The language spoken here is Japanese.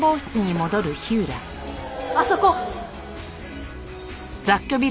あそこ！